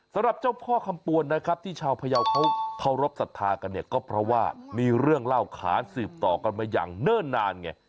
สำหรับเจ้าพ่อคำปวนนะครับที่ชาวพยาวเขาเคารพสัทธากันเนี่ยก็เพราะว่ามีเรื่องเล่าขานสืบต่อกันมาอย่างเนิ่นนานไง